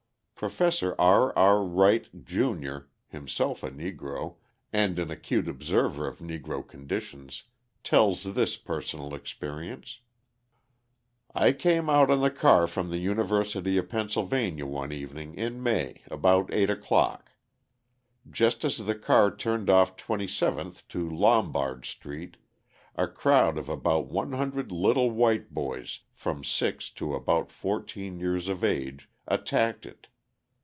Professor R. R. Wright, Jr., himself a Negro, and an acute observer of Negro conditions, tells this personal experience: "I came out on the car from the University of Pennsylvania one evening in May about eight o'clock. Just as the car turned off Twenty seventh to Lombard Street, a crowd of about one hundred little white boys from six to about fourteen years of age attacked it.